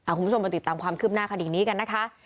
คุณผู้ชมมาติดตามความคืบหน้าคดีนี้กันนะคะ